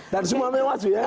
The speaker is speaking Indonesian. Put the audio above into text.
dan semua mewaju ya